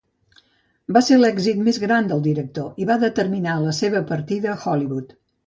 Va ser l'èxit més gran del director i va determinar la seva partida a Hollywood.